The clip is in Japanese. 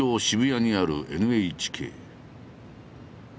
渋谷にあるＮＨＫ。